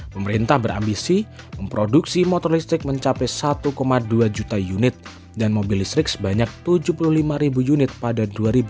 pemerintah berambisi memproduksi motor listrik mencapai satu dua juta unit dan mobil listrik sebanyak tujuh puluh lima ribu unit pada dua ribu dua puluh